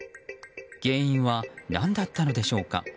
原因は何だったのでしょうか。